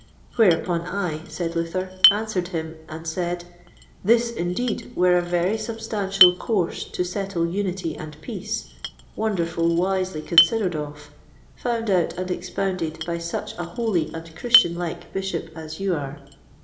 Whereupon I, said Luther, answered him and said, "This, indeed, were a very substantial course to settle unity and peace, wonderful wisely considered of, found out and expounded by such a holy and Christian like Bishop as you are."